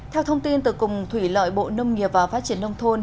theo thông tin từ cùng thủy lợi bộ nông nghiệp và phát triển nông thôn